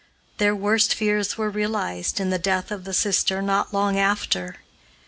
Their worst fears were realized in the death of the sister not long after.